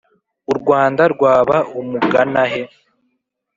u rwanda rwaba umuganahe